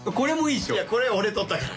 いやこれ俺撮ったから。